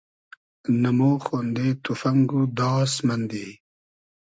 نۂ مۉ خۉندې توفئنگ و داس مئندی